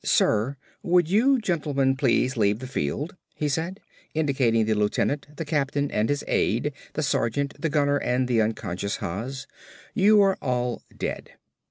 "Sir, would you gentlemen please leave the field," he said, indicating the lieutenant, the captain and his aide, the sergeant, the gunner and the unconscious Haas. "You are all dead."